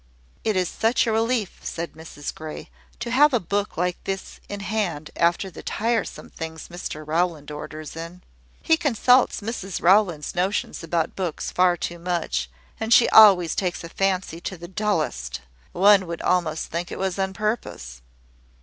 "It is such a relief," said Mrs Grey, "to have a book like this in hand after the tiresome things Mr Rowland orders in! He consults Mrs Rowland's notions about books far too much; and she always takes a fancy to the dullest. One would almost think it was on purpose."